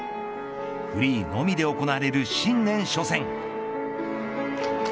フリーのみで行われる新年初戦。